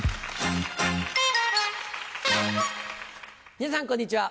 皆さんこんにちは。